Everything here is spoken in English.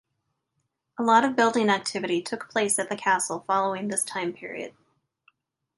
A lot of building activity took place at the castle following this time period.